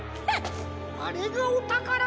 あれがおたからか。